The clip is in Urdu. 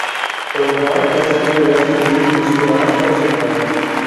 ہوربارٹ ٹیسٹ میں ویسٹ انڈیز مشکلات کا شکار